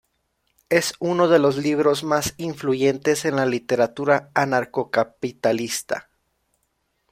Es uno de los libros más influyentes en la literatura anarcocapitalista.